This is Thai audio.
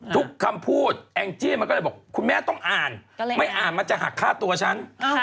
ทุกคำพูดแองจี้มันก็เลยบอกคุณแม่ต้องอ่านไม่อ่านมันจะหักฆ่าตัวฉัน